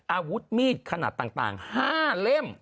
อาวุธมีดขนาดต่าง๕เล่ม